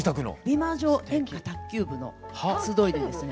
美魔女演歌卓球部の集いでですね